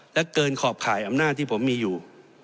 และเกินขอบข่ายอำนาจที่ผมมีอยู่